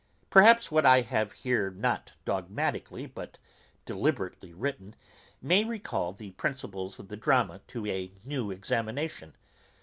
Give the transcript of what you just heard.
Perhaps what I have here not dogmatically but deliberatively written, may recal the principles of the drama to a new examination.